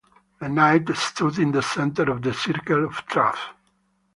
The knight stood in the center of the circle of truth.